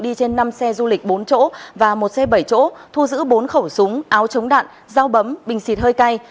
đi trên năm xe du lịch bốn chỗ và một xe bảy chỗ thu giữ bốn khẩu súng áo chống đạn dao bấm bình xịt hơi cay